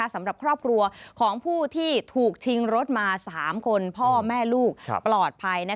สำหรับครอบครัวของผู้ที่ถูกชิงรถมา๓คนพ่อแม่ลูกปลอดภัย